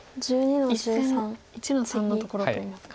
１線１の三のところといいますか。